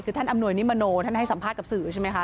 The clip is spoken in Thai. คือท่านอำนวยนิมโนท่านให้สัมภาษณ์กับสื่อใช่ไหมคะ